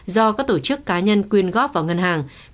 do các tổ chức cá nhân quyên góp vào ngân hàng